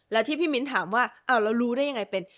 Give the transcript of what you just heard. แล้วที่พี่มิ้นถามว่าเรารู้ได้ยังไงเป็น